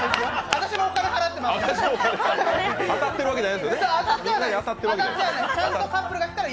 私もお金払ってますから。